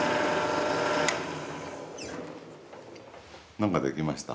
何か出来ました。